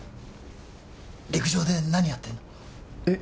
陸上で何やってるの？え？